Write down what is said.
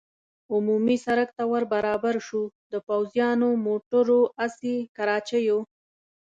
عمومي سړک ته ور برابر شو، د پوځیانو، موټرو، اسي کراچیو.